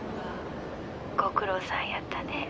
ご苦労さんやったね。